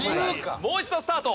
もう一度スタート。